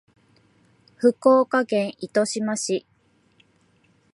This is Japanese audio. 福岡県糸島市